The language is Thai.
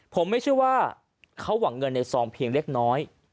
ผมไม่เชื่อว่าเขาหวังเงินในซองเพียงเล็กน้อย